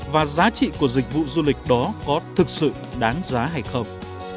và giá trị của dịch vụ du lịch đó có thực sự đáng giá hay không